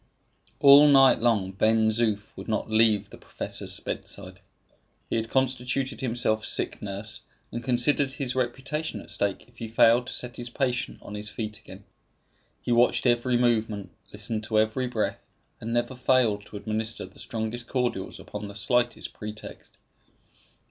All night long Ben Zoof would not leave the professor's bedside. He had constituted himself sick nurse, and considered his reputation at stake if he failed to set his patient on his feet again. He watched every movement, listened to every breath, and never failed to administer the strongest cordials upon the slightest pretext.